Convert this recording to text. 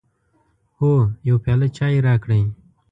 هو، یو پیاله چای راکړئ